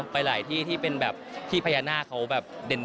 ไปหลายที่ที่เป็นแบบที่พญานาคเขาแบบเด่น